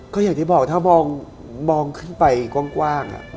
ก็อย่างที่บอกถ้ามองขึ้นไปกว้าง